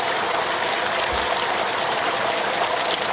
พร้อมทุกสิทธิ์